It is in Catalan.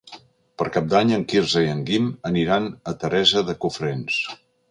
Per Cap d'Any en Quirze i en Guim aniran a Teresa de Cofrents.